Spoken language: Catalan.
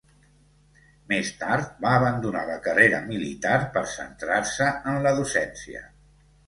Més tard va abandonar la carrera militar per centrar-se en la docència.